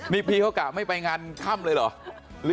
นี่พี่เขากะไม่ไปงานค่ำเลยเหรอ